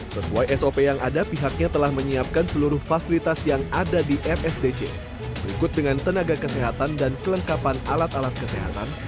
sesuai sop yang ada pihaknya telah menyiapkan seluruh fasilitas yang ada di rsdc berikut dengan tenaga kesehatan dan kelengkapan alat alat kesehatan